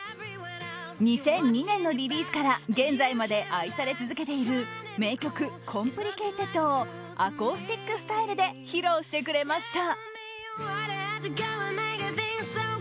２００２年のリリースから現在まで愛され続けている名曲「Ｃｏｍｐｌｉｃａｔｅｄ」をアコースティックスタイルで披露してくれました。